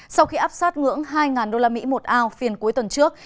sau khi áp sát ngưỡng hai usd một ao phiền cuối tuần trước